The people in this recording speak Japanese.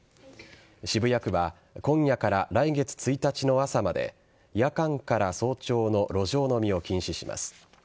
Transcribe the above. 渋谷区は今夜から来月１日の朝まで夜間から早朝の路上飲みを禁止します。